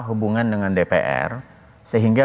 hubungan dengan dpr sehingga